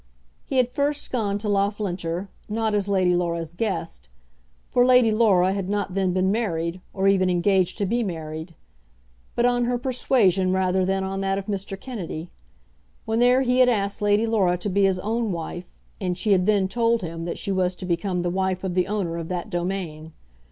He had first gone to Loughlinter, not as Lady Laura's guest, for Lady Laura had not then been married, or even engaged to be married, but on her persuasion rather than on that of Mr. Kennedy. When there he had asked Lady Laura to be his own wife, and she had then told him that she was to become the wife of the owner of that domain.